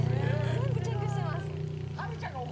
全部チェックしてます。